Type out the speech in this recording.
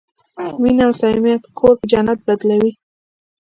مینه او صمیمیت کور په جنت بدلوي.